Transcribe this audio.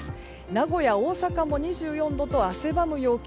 名古屋、大阪も２４度と汗ばむ陽気。